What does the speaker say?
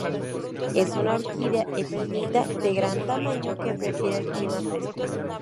Es una orquídea epifita de gran tamaño, que prefiere el clima fresco.